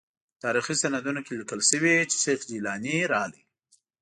په تاریخي سندونو کې لیکل شوي چې شیخ جیلاني راغی.